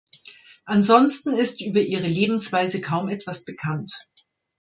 Ansonsten ist über ihre Lebensweise kaum etwas bekannt.